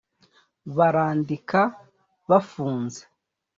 barandika bafunze